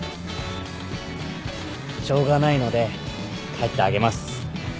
しょうがないので帰ってあげます。